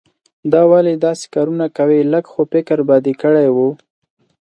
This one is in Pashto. دا ولې داسې کارونه کوې؟ لږ خو فکر به دې کړای وو.